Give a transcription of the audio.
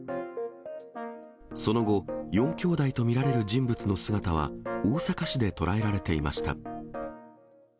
その後、４きょうだいと見られる人物の姿は、大阪市で捉えられていました。